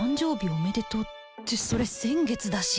おめでとうってそれ先月だし